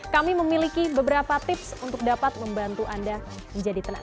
kami memiliki beberapa tips untuk dapat membantu anda menjadi tenang